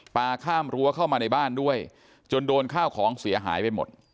ข้ามรั้วเข้ามาในบ้านด้วยจนโดนข้าวของเสียหายไปหมด